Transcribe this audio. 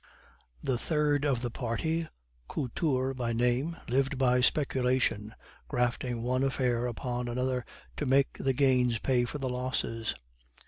The third in the party, Couture by name, lived by speculation, grafting one affair upon another to make the gains pay for the losses.